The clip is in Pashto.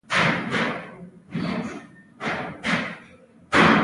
دا مصونیت د برخلیک پر وړاندې اړین دی.